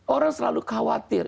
orang selalu khawatir